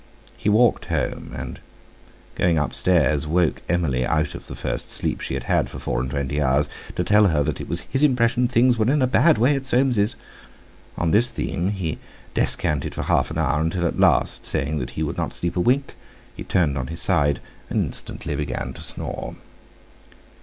He walked home, and going upstairs, woke Emily out of the first sleep she had had for four and twenty hours, to tell her that it was his impression things were in a bad way at Soames's; on this theme he descanted for half an hour, until at last, saying that he would not sleep a wink, he turned on his side and instantly began to snore.